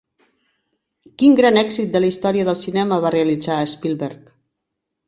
Quin gran èxit de la història del cinema va realitzar Spielberg?